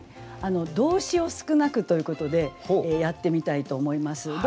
「動詞を少なく」ということでやってみたいと思います。